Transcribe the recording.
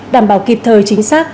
đảm bảo kịp thời chính xác